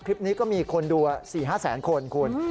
คลิปนี้ก็มีคนดู๔๕แสนคนคุณ